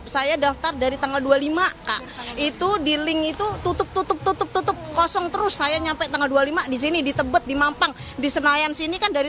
saya dari pancoran ke sini